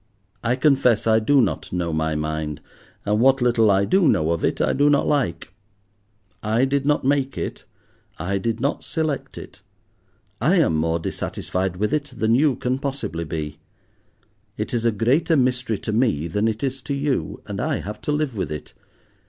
I confess I do not know my mind, and what little I do know of it I do not like. I did not make it, I did not select it. I am more dissatisfied with it than you can possibly be. It is a greater mystery to me than it is to you, and I have to live with it.